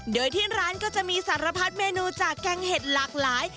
โดยที่ร้านก็จะมีสารพัดเมนูจากแกงเห็ดหลากหลาย